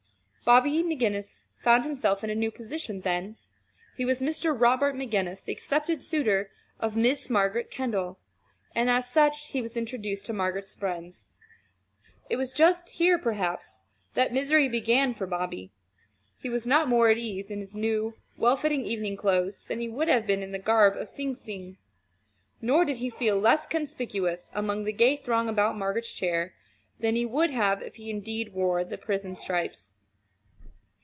Bobby McGinnis found himself in a new position then. He was Mr. Robert McGinnis, the accepted suitor of Miss Margaret Kendall, and as such, he was introduced to Margaret's friends. It was just here, perhaps, that misery began for Bobby. He was not more at ease in his new, well fitting evening clothes than he would have been in the garb of Sing Sing; nor did he feel less conspicuous among the gay throng about Margaret's chair than he would if he had indeed worn the prison stripes.